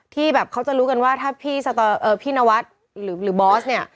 ที่แบบเขาจะรู้กันว่าถ้าพี่นวัดหรือบอสเนี่ย